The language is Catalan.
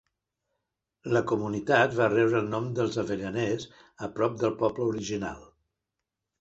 La comunitat va rebre el nom dels avellaners a prop del poble original.